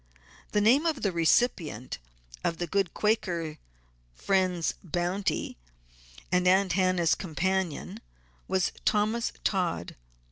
The name of the recipient of the good Quaker friend's bounty and Aunt Hannah's companion, was Thomas Todd.